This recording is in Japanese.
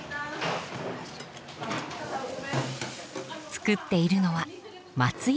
作っているのは松山鮓。